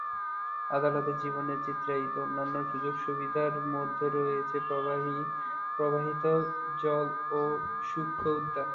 আদালতের জীবনের চিত্রায়িত অন্যান্য সুযোগ-সুবিধার মধ্যে রয়েছে প্রবাহিত জল এবং সূক্ষ্ম উদ্যান।